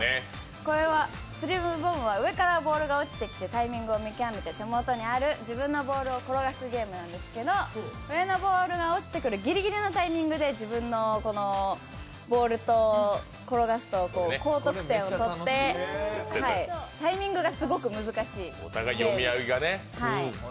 これはスリルボムは上からボールが落ちてきてタイミングを見極めて手元にある自分のボールを転がすゲームなんですけど、上のボールが落ちてくるギリギリのタイミングで自分のボールを転がすと、高得点を取って、タイミングがすごく難しくて。